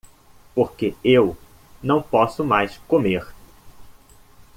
Porque eu não posso mais comer.